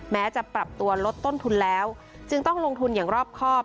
แม้จะปรับตัวลดต้นทุนแล้วจึงต้องลงทุนอย่างรอบครอบ